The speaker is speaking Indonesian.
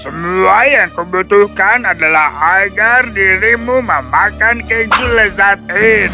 semua yang kau butuhkan adalah agar dirimu memakan keju lezat ini